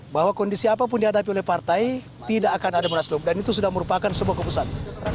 bahwa kondisi apapun dihadapi oleh partai tidak akan ada munaslup dan itu sudah merupakan sebuah keputusan